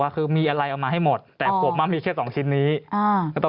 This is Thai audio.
คือมีอะไรเอามาให้หมดแต่ผมมีเชือกสองชิ้นนี้ก็ต้อง